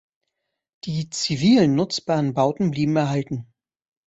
Die zivil nutzbaren Bauten blieben erhalten.